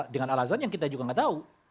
dengan alasan yang kita juga nggak tahu